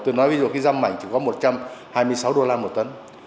tôi nói ví dụ cái răm mảnh chỉ có một trăm hai mươi sáu đô la một tấn